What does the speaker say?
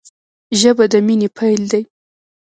ژبه د مینې پیل دی